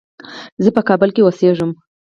زه په کابل کې اوسېږم.